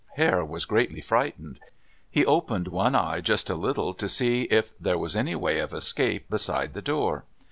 Hare was greatly frightened. He opened one eye just a little to see if there was any way of escape beside the door.